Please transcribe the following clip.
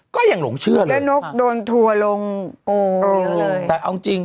ก็ยังหลงเชื่อเลยและนกโดนถั่วลงโอ้แต่เอาจริง